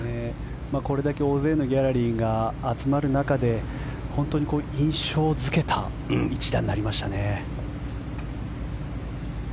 これだけ大勢のギャラリーが集まる中で本当に印象付けた一打になりましたね。